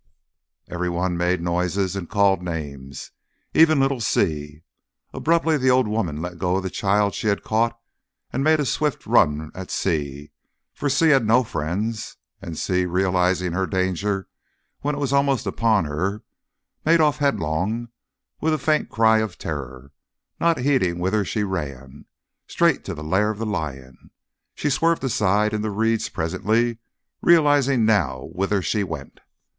Everyone made noises and called names even little Si. Abruptly the old woman let go of the child she had caught and made a swift run at Si for Si had no friends; and Si, realising her danger when it was almost upon her, made off headlong, with a faint cry of terror, not heeding whither she ran, straight to the lair of the lion. She swerved aside into the reeds presently, realising now whither she went.